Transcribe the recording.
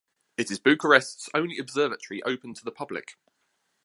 It is Bucharest’s only observatory open to the public.